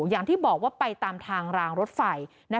อย่างที่บอกว่าไปตามทางรางรถไฟ